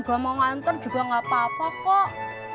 gak mau nganter juga gapapa kok